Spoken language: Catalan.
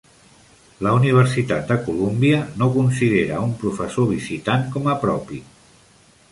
La Universitat de Columbia no considera un professor visitant com a propi.